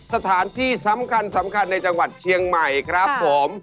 สถานที่สำคัญสำคัญในจังหวัดเชียงใหม่ครับผม